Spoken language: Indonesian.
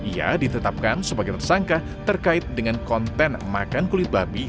ia ditetapkan sebagai tersangka terkait dengan konten makan kulit babi